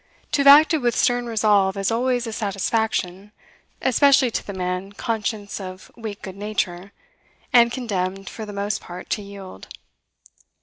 To have acted with stern resolve is always a satisfaction, especially to the man conscious of weak good nature, and condemned for the most part to yield.